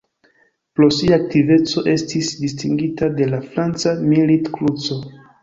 Pro sia aktiveco estis distingita de la franca Milit-Kruco.